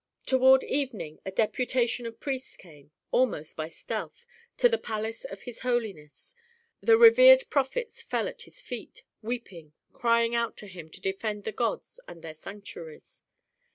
Toward evening a deputation of priests came, almost by stealth, to the palace of his holiness; the revered prophets fell at his feet, weeping, crying out to him to defend the gods and their sanctuaries.